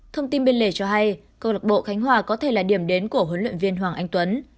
thông tin biên lệ cho hay công lộc bộ khánh hòa có thể là điểm đến của huấn luyện viên hoàng anh tuấn